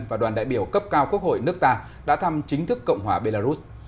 và đoàn đại biểu cấp cao quốc hội nước ta đã thăm chính thức cộng hòa belarus